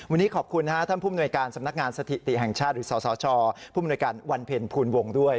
วันนี้ขอบคุณท่านผู้มนวยการสำนักงานสถิติแห่งชาติหรือสสชผู้มนวยการวันเพ็ญภูลวงด้วย